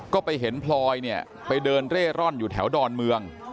ก็ไปเห็นพลอยเนี่ยไปเดินเร่ร่อนอยู่แถวดอนเมือง